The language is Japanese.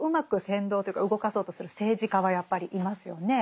扇動というか動かそうとする政治家はやっぱりいますよね。